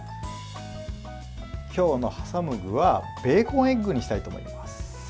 今日の挟む具はベーコンエッグにしたいと思います。